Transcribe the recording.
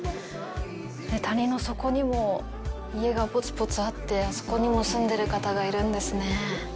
谷の底にも家がぽつぽつあってあそこにも住んでる方がいるんですね。